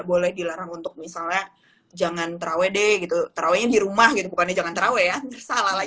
kayak jangan terawih deh gitu terawihnya di rumah gitu bukannya jangan terawih ya salah lagi salah ngomong